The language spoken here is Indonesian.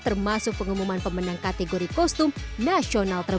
termasuk pengumuman pemenang kategori kostum national costume